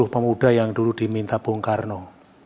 sepuluh pemuda yang dulu diminta bung karno